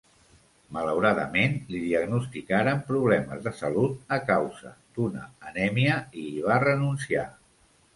Malauradament li diagnosticaren problemes de salut a causa d'una anèmia i hi va renunciar.